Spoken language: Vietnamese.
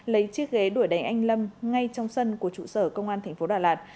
lấy chiếc ghế đuổi đánh anh lâm ngay trong sân của trụ sở công an tp đà lạt